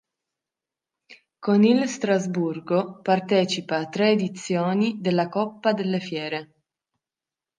Con il Strasburgo partecipa a tre edizioni della Coppa delle Fiere.